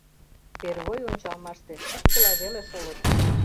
Первой ончалмаште куткыла веле шолыт.